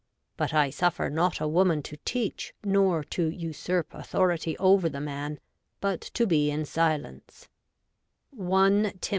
But I suffer not a woman to teach, nor to usurp authority over the man, but to be in silence ' (i Tim.